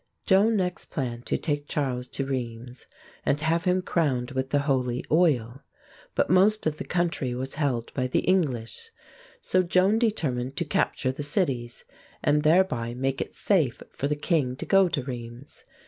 Joan next planned to take Charles to Rheims (English pronunciation Reemz) and have him crowned with the holy oil; but most of the country was held by the English. So Joan determined to capture the cities, and thereby make it safe for the king to go to Rheims.